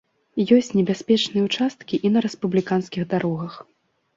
Ёсць небяспечныя ўчасткі і на рэспубліканскіх дарогах.